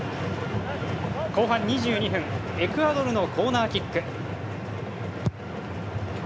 後半２２分エクアドルのコーナーキック。